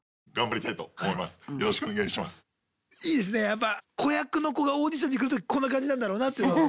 いいですねやっぱ子役の子がオーディションに来るときこんな感じなんだろうなっていうのを。